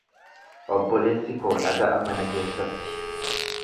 Obboleessi koo dhaga'a mana keessatti.